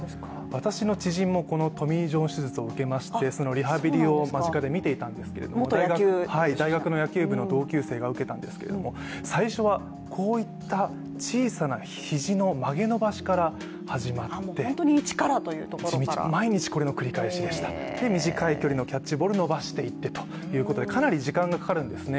私の知人もこのトミー・ジョン手術を受けまして、リハビリを間近で見ていたんですけど、大学の野球部の同級生が受けたんですけれども最初はこういった小さな肘の曲げ伸ばしから始まって、地道に毎日、これの繰り返しでしたそして、短い距離のキャッチボールをしてかなり時間がかかるんですね。